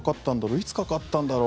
いつかかったんだろう